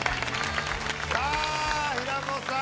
さあ平子さん